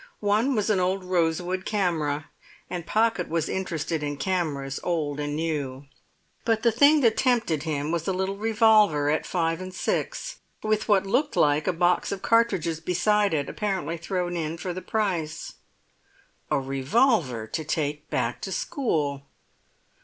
One was an old rosewood camera, and Pocket was interested in cameras old and new; but the thing that tempted him was a little revolver at five and six, with what looked like a box of cartridges beside it, apparently thrown in for the price. A revolver to take back to school!